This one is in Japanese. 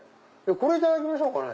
これいただきましょうかね。